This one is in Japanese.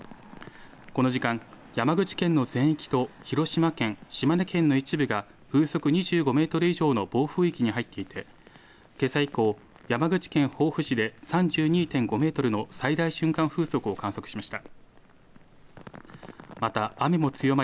この時間、山口県の全域と広島県、島根県の一部が風速２５メートル以上の暴風域に入っていてけさ以降、山口県防府市で３２．５メートルの最大瞬間風速を観測しました。